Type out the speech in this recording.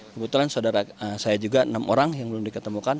kebetulan saudara saya juga enam orang yang belum diketemukan